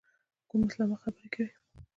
کوم اسلامه خبرې کوې.